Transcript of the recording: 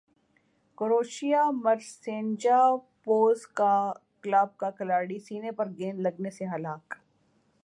کروشیا مرسینجا Pozega club کا کھلاڑی سینے پر گیند لگنے سے ہلاک